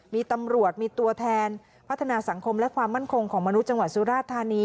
มีตำรวจมีตัวแทนพัฒนาสังคมและความมั่นคงของมนุษย์จังหวัดสุราธานี